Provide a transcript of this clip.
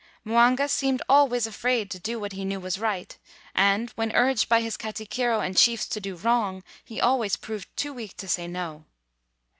Mwanga seemed always afraid to do what he knew was right ; and, when urged by his katikiro and chiefs to do wrong, he always proved too weak to say "no."